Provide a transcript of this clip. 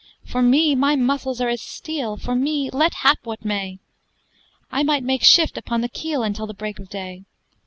"For me my muscles are as steel, For me let hap what may; I might make shift upon the keel Until the break o' day.